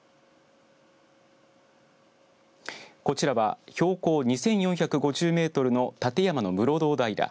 こちらは標高２４５０メートルの立山の室堂平。